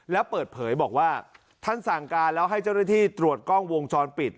แล้วเปิดเผยบอกว่าท่านสั่งการแล้วให้เจ้าหน้าที่ตรวจกล้องวงจรปิด